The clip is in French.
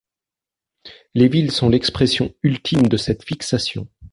Les villes sont l'expression ultime de cette fixation.